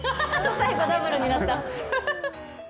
最後ダブルになった。